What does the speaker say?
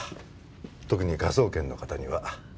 特に科捜研の方には。